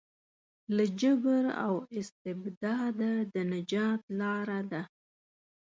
له جبر او استبداده د نجات لاره ده.